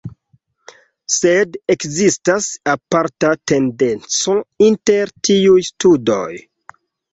Sed ekzistas aparta tendenco inter tiuj studoj.